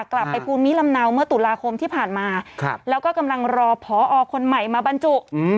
กลับไปภูมิลำเนาเมื่อตุลาคมที่ผ่านมาแล้วก็กำลังรอพอคนใหม่มาบรรจุ